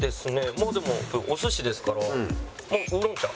まあでもお寿司ですからウーロン茶。